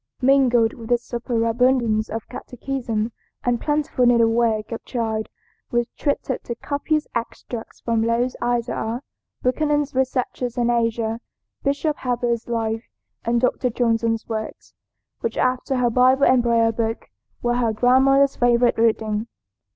Mingled with this superabundance of catechism and plentiful needlework the child was treated to copious extracts from Lowth's Isaiah, Buchanan's Researches in Asia, Bishop Heber's Life, and Dr. Johnson's Works, which, after her Bible and Prayer Book, were her grandmother's favorite reading.